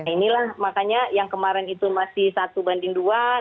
inilah makanya yang kemarin itu masih satu banding dua